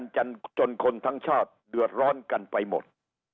จนคนทั้งชาติเดือดร้อนกันไปหมด